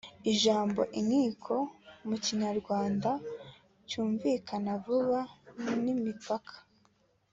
Ijambo “inkiko” mu Kinyarwanda cyumvikana vuba ni imipaka